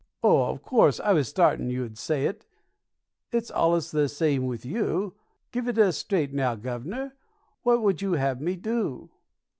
Oh, of course, I was sartin you'd say it. It's allus the same with you. Give it us straight, now, guv'nor what would you have me do?